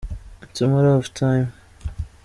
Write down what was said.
It is a matter of time.